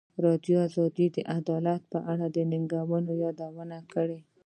ازادي راډیو د عدالت په اړه د ننګونو یادونه کړې.